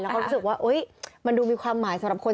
แล้วก็รู้สึกว่ามันดูมีความหมายสำหรับคน